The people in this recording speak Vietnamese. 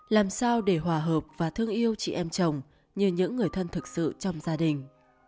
làm sao để hòa hợp và thương yêu chị em chồng như những người thân thực sự trong gia đình